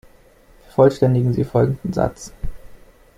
Vervollständigen Sie folgenden Satz.